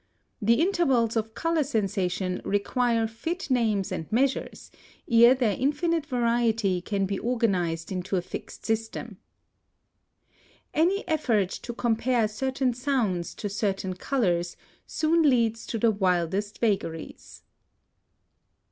The intervals of color sensation require fit names and measures, ere their infinite variety can be organized into a fixed system. (149) Any effort to compare certain sounds to certain colors soon leads to the wildest vagaries.